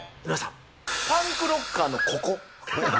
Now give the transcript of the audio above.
パンクロッカーのここ。